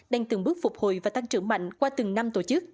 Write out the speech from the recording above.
đang từng bước phục hồi và tăng trưởng mạnh qua từng năm tổ chức